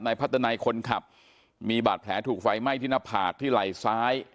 พัฒนาคนขับมีบาดแผลถูกไฟไหม้ที่หน้าผากที่ไหล่ซ้าย